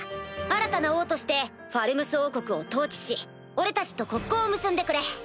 新たな王としてファルムス王国を統治し俺たちと国交を結んでくれ。